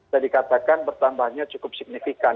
tadi katakan bertambahnya cukup signifikan